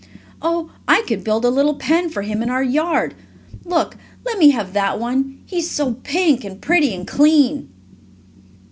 "Oh, I could build a little pen for him in our yard. Look, let me have that one, he is so pink and pretty and clean."